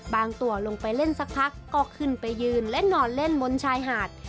ตัวลงไปเล่นสักพักก็ขึ้นไปยืนและนอนเล่นบนชายหาด